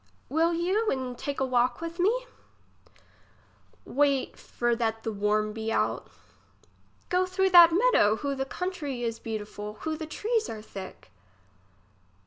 Will you and take a walk with me ? Wait for that the wanu be out. Go through that meadow. Who the country is beautiful ! who the trees are thick